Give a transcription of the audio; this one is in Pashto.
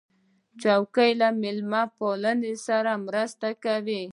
چوکۍ له میلمهپالۍ سره مرسته کوي.